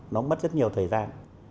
nó mất rất nhiều thời gian